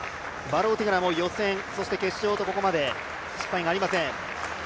バローティガラも予選、決勝とここまで失敗がありません。